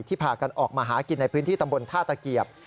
พากันออกมาหากินในพื้นที่ตำบลท่าตะเกียบ